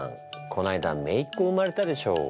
この間めいっ子生まれたでしょ。